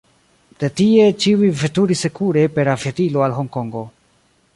De tie ĉiuj veturis sekure per aviadilo al Honkongo.